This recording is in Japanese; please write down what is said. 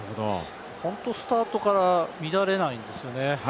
ホント、スタートから乱れないんですよね。